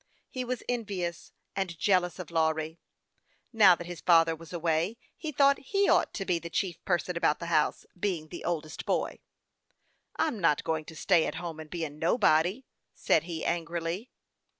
He was envious and jealous of Lawry. Now that his father was away, he thought he ought to be the chief person about the house, being the oldest boy. " I'm not going to stay at home, and be a nobody," said he, angrily.